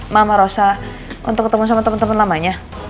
mama rosa untuk ketemuan sama temen temen lamanya